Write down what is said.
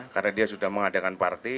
karena dia sudah mengadakan parti